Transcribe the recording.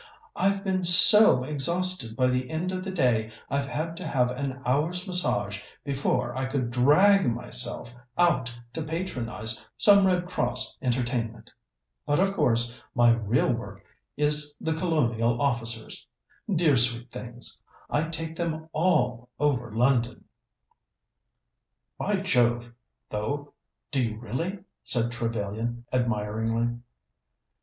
I've been so exhausted by the end of the day I've had to have an hour's massage before I could drag myself out to patronize some Red Cross entertainment. But, of course, my real work is the Colonial officers. Dear, sweet things! I take them all over London!" "By Jove, though, do you really!" said Trevellyan admiringly.